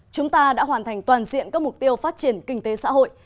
chúng ta đã hoàn thành toàn diện các mục tiêu phát triển kinh tế xã hội